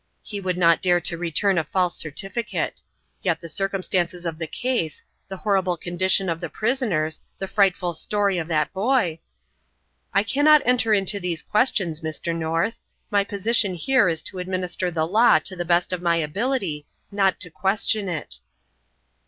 "He would not dare to return a false certificate. Yet the circumstances of the case the horrible condition of the prisoners the frightful story of that boy " "I cannot enter into these questions, Mr. North. My position here is to administer the law to the best of my ability, not to question it."